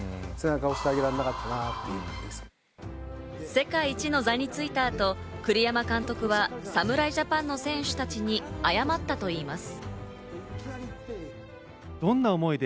世界一の座についたあと、栗山監督は侍ジャパンの選手たちに謝ったといいます。